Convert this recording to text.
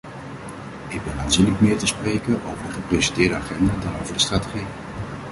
Ik ben aanzienlijk meer te spreken over de gepresenteerde agenda dan over de strategie.